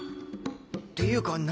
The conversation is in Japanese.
っていうかな